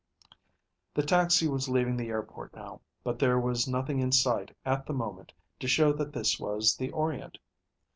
The taxi was leaving the airport now, but there was nothing in sight at the moment to show that this was the Orient.